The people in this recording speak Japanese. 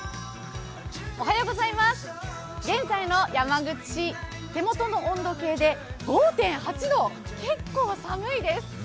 現在の山口、手元の温度計で５．８度、結構寒いです。